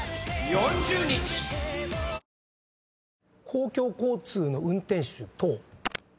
公共交通の運転手等。